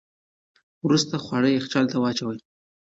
وروسته خواړه یخچال ته واچوئ.